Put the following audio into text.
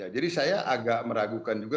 jadi saya agak meragukan juga